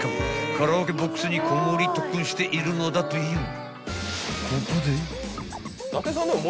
カラオケボックスにこもり特訓しているのだという］